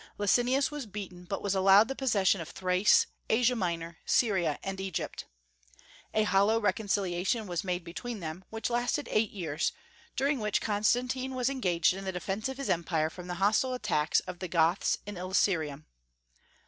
Licinius was beaten, but was allowed the possession of Thrace, Asia Minor, Syria, and Egypt. A hollow reconciliation was made between them, which lasted eight years, during which Constantine was engaged in the defence of his empire from the hostile attacks of the Goths in Illyricum.